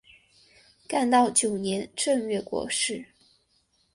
干道九年正月过世。